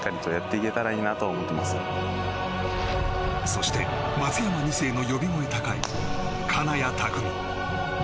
そして松山２世の呼び声高い金谷拓実。